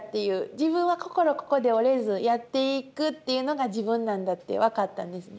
自分は心ここで折れずやっていくっていうのが自分なんだって分かったんですね。